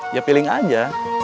ya piling aja